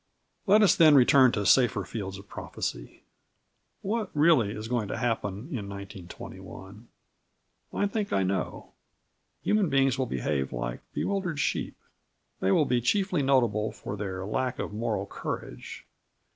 Let us, then, return to safer fields of prophecy. What, really, is going to happen in 1921? I think I know. Human beings will behave like bewildered sheep. They will be chiefly notable for their lack of moral courage.